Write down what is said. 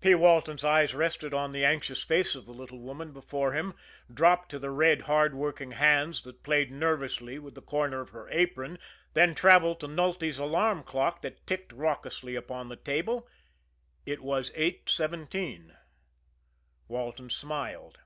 P. Walton's eyes rested on the anxious face of the little woman before him, dropped to the red, hard working hands that played nervously with the corner of her apron then travelled to Nulty's alarm clock that ticked raucously upon the table it was 8.17. P. Walton smiled.